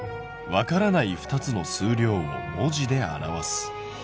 「わからない２つの数量を文字で表す」。